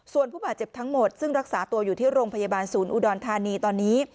ส่วนผู้บาดเจ็บทั้งหมดซึ่งรักษาตัวอยู่ที่โรงพยาบาลศูนย์อุดรธานีตอนนี้